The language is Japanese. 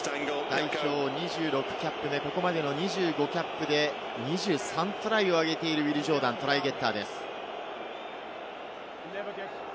代表２６キャップ目、ここまでの２５キャップで２３トライを挙げているウィル・ジョーダン、トライゲッターです。